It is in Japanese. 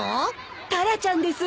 タラちゃんです。